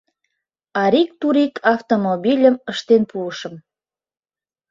Арик-турик «автомобильым» ыштен пуышым.